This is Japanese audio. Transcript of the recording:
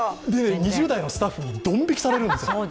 ２０代のスタッフにドン引きされるんです。